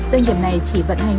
doanh nghiệp này chỉ vận hành